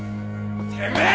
てめえ！